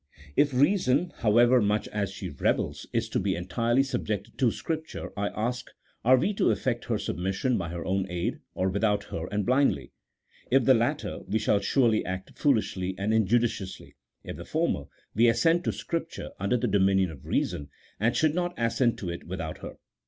If reason, however, much as 192 A THEOLOGICO POLITICAL TREATISE. [CHAP. XV. she rebels, is to be entirely subjected to Scripture, I ask, are we to effect her submission by her own aid, or without her, and blindly ? If the latter, we shall surely act fool ishly and injudiciously ; if the former, we assent to Scrip ture under the dominion of reason, and should not assent to it without her.